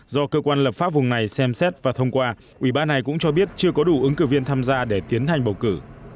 do cơ quan lập pháp vùng này xem xét và thông qua ủy ban này cũng cho biết chưa có đủ ứng cử viên tham gia để tiến hành bầu cử